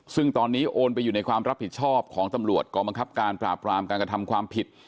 ซึ่งตอนนี้โอนไปอยู่ในความรับผิดชอบของตำรวจกองบังคับการปราบรามการกระทำความผิด